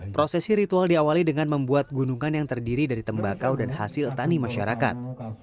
prosesi ritual diawali dengan membuat gunungan yang terdiri dari tembakau dan hasil tani masyarakat